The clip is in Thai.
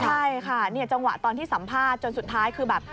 ใช่ค่ะจังหวะตอนที่สัมภาษณ์จนสุดท้ายคือแบบ